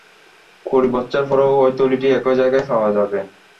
কুড়ি বৎসর পরেও ঐ থলিটি একই জায়গায় পাওয়া যাইবে।